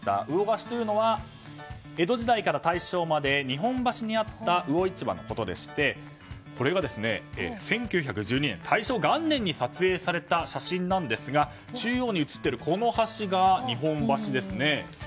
魚河岸というのは江戸時代から大正まで日本橋にあった魚市場のことでしてこれは１９１２年、大正元年に撮影された写真ですが中央に写っているこの橋が日本橋ですね。